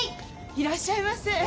いらっしゃいませ。